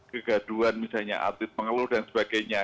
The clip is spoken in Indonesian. kegaduan artis pengewul dan sebagainya